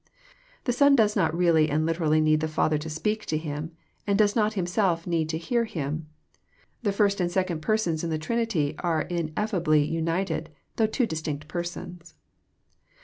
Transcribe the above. The Son does not really and liter ally need the Father to speak " to Him, and does not himself need to hear" Him. The first and second Persons in the Trinity are ineffably united, though two distinct Persons.